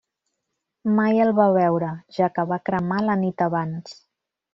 Mai el va veure, ja que va cremar la nit abans.